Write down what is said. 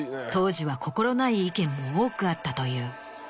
当時は心ない意見も多くあったという。